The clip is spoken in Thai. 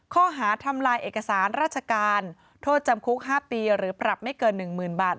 ข้อหาทำลายเอกสารราชการโทษจำคุก๕ปีหรือปรับไม่เกิน๑๐๐๐บาท